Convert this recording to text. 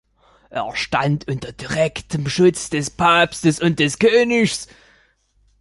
Es stand unter dem direkten Schutz des Papstes und des Königs.